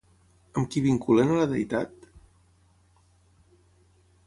Amb qui vinculen a la deïtat?